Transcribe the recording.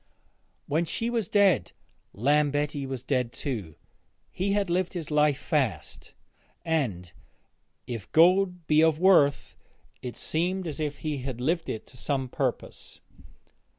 When she was dead Lambetti was dead too. He had lived his life fast, and, if gold be of worth, it seemed as if he had lived it to some purpose.